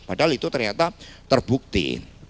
padahal itu ternyata terbukti